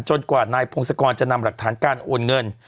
กว่านายพงศกรจะนำหลักฐานการโอนเงิน